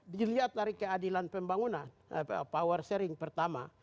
dilihat dari keadilan pembangunan power sharing pertama